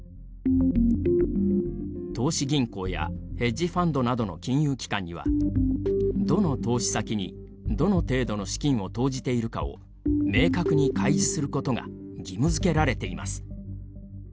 投資銀行やヘッジファンドなどの金融機関にはどの投資先に、どの程度の資金を投じているかを明確に開示することが義務づけられています。